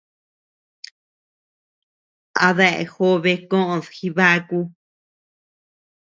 A déa jobe koʼod jibaku.